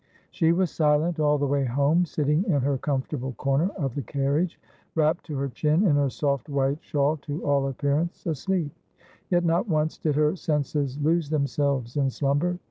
She was silent all the way home ; sitting in her comfortable corner of the carriage, wrapped to her chin in her soft white shawl, to all appearance asleep. Yet not once did her senses lose themselves in slumber.